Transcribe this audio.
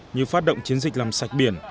như phát động chiến dịch làm sạch biển